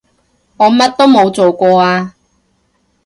我乜都冇做過啊